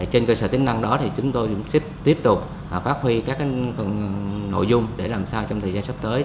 trên cơ sở tính năng đó thì chúng tôi cũng sẽ tiếp tục phát huy các nội dung để làm sao trong thời gian sắp tới